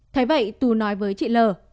thế vậy tú nói với chị lờ